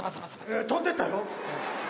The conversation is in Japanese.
いや飛んでったよ。